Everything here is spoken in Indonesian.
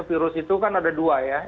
virus itu kan ada dua ya